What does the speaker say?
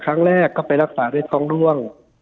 ครั้งแรกก็ไปรักษาด้วยท้องร่วง